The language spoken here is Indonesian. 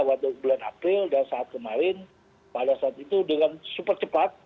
waktu bulan april dan saat kemarin pada saat itu dengan super cepat